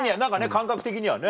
感覚的にはね。